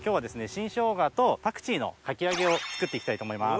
新ショウガとパクチーのかき揚げを作って行きたいと思います。